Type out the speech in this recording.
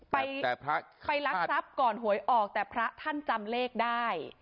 ไปรักทรัพย์ก่อนหวยออกแต่พระท่านจำเลขได้